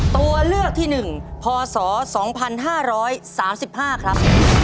ตัวเลือกที่หนึ่งพอศ๒๕๓๕ครับ